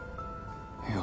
いや。